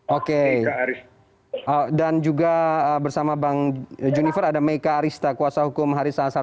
oke dan juga bersama bang junifer ada meka arista kuasa hukum haris azhar